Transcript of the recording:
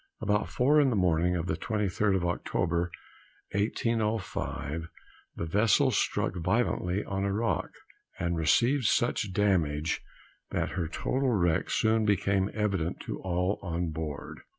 About four in the morning of the 23d of Oct. 1805, the vessel struck violently on a rock, and received such damage that her total wreck soon became evident to all on board.